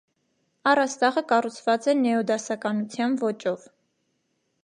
Առաստաղը կառուցված է նեոդասականության ոճով։